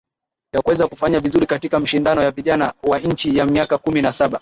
yakuweza kufanya vizuri katika mashindano ya vijana wa chini ya miaka kumi na saba